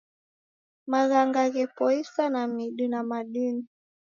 Maghanga ghepoiswa na midi na madini